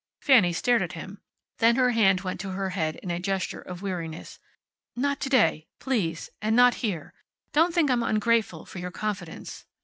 Fanny stared at him. Then her hand went to her head in a gesture of weariness. "Not to day. Please. And not here. Don't think I'm ungrateful for your confidence.